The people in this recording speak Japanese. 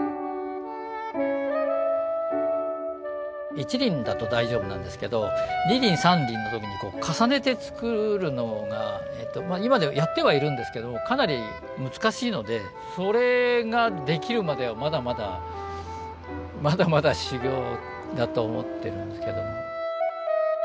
一輪だと大丈夫なんですけど二輪三輪の時に重ねて作るのが今ではやってはいるんですけどかなり難しいのでそれができるまではまだまだまだまだ修業だと思ってるんですけども。